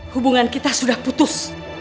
hubungan kita sudah putus